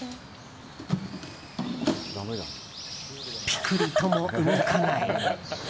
ピクリとも動かない。